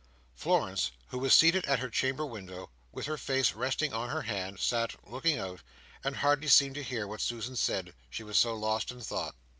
Florence, who was seated at her chamber window, with her face resting on her hand, sat looking out, and hardly seemed to hear what Susan said, she was so lost in thought.